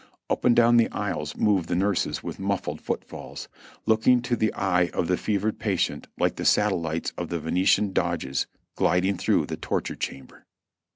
Up and down the aisles moved the nurses with muffled footfalls, looking to the eye of the fevered patient like the satellites of the Venetian Doges gliding through the torture chamber.